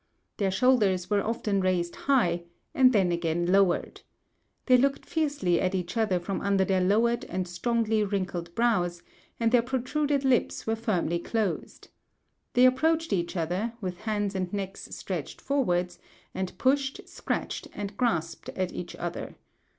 Their shoulders were often raised high, and then again lowered. They looked fiercely at each other from under their lowered and strongly wrinkled brows, and their protruded lips were firmly closed. They approached each other, with heads and necks stretched forwards, and pushed, scratched, and grasped at each other.